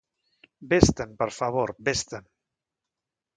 Vés-te'n, per favor, vés-te'n.